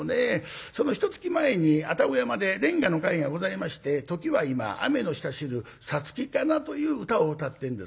そのひとつき前に愛宕山で連歌の会がございまして「ときは今あめの下知る五月哉」という歌を歌ってんですね。